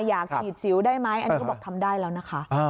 อยากฉีดสิวได้ไหมอันนี้ก็บอกทำได้แล้วนะคะ